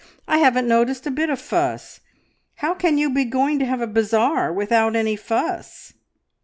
I haven't noticed a bit of fuss. How can you be going to have a bazaar without any fuss?"